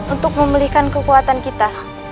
untuk memelihkan kekuatan kita